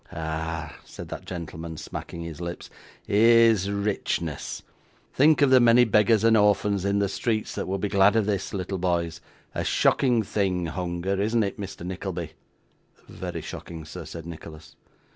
'Ah!' said that gentleman, smacking his lips, 'here's richness! Think of the many beggars and orphans in the streets that would be glad of this, little boys. A shocking thing hunger, isn't it, Mr. Nickleby?' 'Very shocking, sir,' said Nicholas.